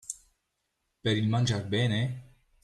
Per il mangiar bene?